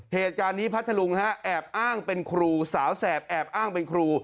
เหตุการณ์นี้พัทธลุงฮะแอบอ้างเป็นครูสาวแสบแอบอ้างเป็นครู